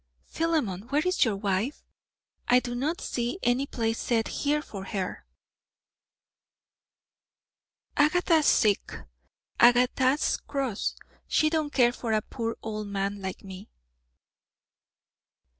"Philemon, where is your wife? I do not see any place set here for her!" "Agatha's sick, Agatha's cross; she don't care for a poor old man like me."